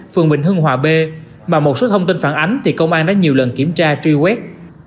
phường bình hưng hòa b mà một số thông tin phản ánh thì công an đã nhiều lần kiểm tra truy quét